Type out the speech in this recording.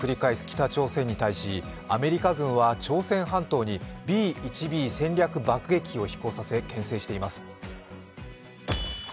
北朝鮮に対しアメリカ軍は朝鮮半島にＢ−１Ｂ戦略爆撃機を飛行させ、けん制しています。